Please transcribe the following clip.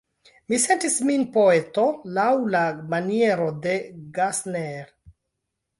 Mi sentis min poeto laŭ la maniero de Gessner.